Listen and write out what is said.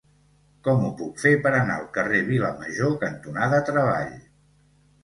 Com ho puc fer per anar al carrer Vilamajor cantonada Treball?